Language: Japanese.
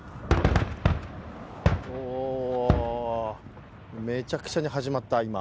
おお、めちゃくちゃに始まった、今。